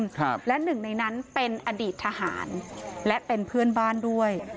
ครับและหนึ่งในนั้นเป็นอดีตทหารและเป็นเพื่อนบ้านด้วย